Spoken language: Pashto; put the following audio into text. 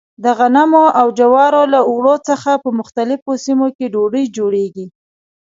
د غنمو او جوارو له اوړو څخه په مختلفو سیمو کې ډوډۍ جوړېږي.